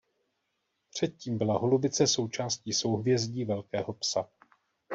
Předtím byla Holubice součástí souhvězdí Velkého psa.